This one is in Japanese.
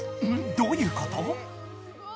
どういうこと？